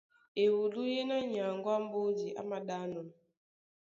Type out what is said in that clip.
Ewudú yéná nyaŋgó á mbódi á māɗánɔ́,